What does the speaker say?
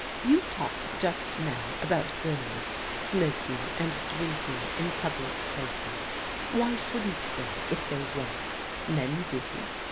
You talked just now about girls smoking and drinking in public places. Why shouldn't they, if they want ? Men do.